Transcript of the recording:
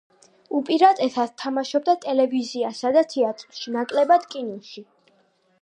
უპირატესად თამაშობდა ტელევიზიასა და თეატრში, ნაკლებად კინოში.